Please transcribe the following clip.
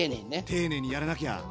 丁寧にやらなきゃ。